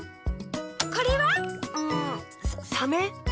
これは？んサメ？